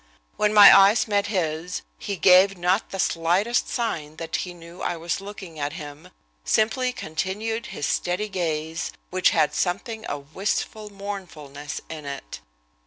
When my eyes met his he gave not the slightest sign that he knew I was looking at him, simply continued his steady gaze, which had something of wistful mournfulness in it.